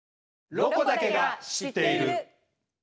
「ロコだけが知っている」。